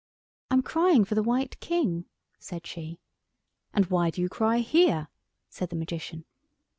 "I'm crying for the White King," said she. "And why do you cry here?" said the Magician.